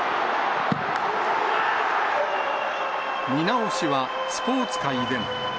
見直しはスポーツ界でも。